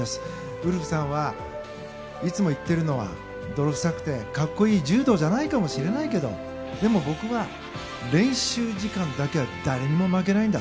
ウルフさんがいつも言っているのは泥臭くて格好いい柔道じゃないかもしれないけどでも、僕は練習時間だけは誰にも負けないんだ。